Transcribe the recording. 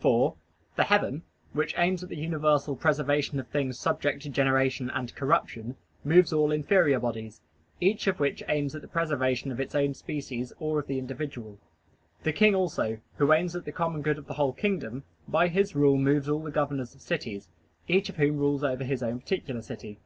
For the heaven, which aims at the universal preservation of things subject to generation and corruption, moves all inferior bodies, each of which aims at the preservation of its own species or of the individual. The king also, who aims at the common good of the whole kingdom, by his rule moves all the governors of cities, each of whom rules over his own particular city.